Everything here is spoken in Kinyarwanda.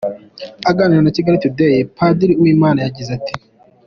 Aganira na Kigali Today, Padiri Uwimana yagize ati:.